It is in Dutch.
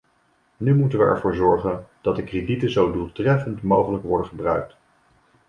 Nu moeten we ervoor zorgen dat de kredieten zo doeltreffend mogelijk worden gebruikt.